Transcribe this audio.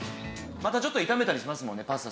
またちょっと炒めたりします